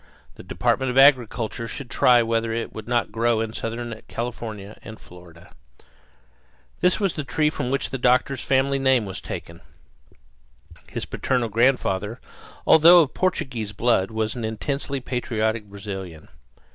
The Department of Agriculture should try whether it would not grow in southern California and Florida. This was the tree from which the doctor's family name was taken. His parental grandfather, although of Portuguese blood, was an intensely patriotic Brazilian.